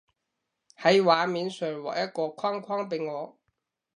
喺畫面上畫一個框框畀我